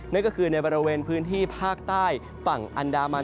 นั่นก็คือในบริเวณพื้นที่ภาคใต้ฝั่งอันดามัน